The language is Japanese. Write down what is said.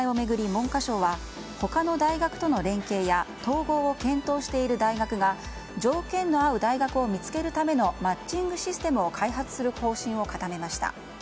文科省は他の大学との連携や統合を検討している大学が条件の合う大学を見つけるためのマッチングシステムを開発する方針を固めました。